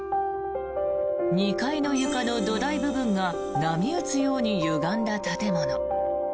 ２階の床の土台部分が波打つようにゆがんだ建物。